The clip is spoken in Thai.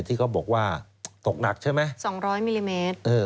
ที่เขาบอกว่าตกหนักใช่ไหม๒๐๐มิลลิเมตร